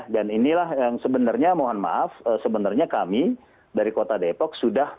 dan inilah yang sebenarnya mohon maaf sebenarnya kami dari kota depok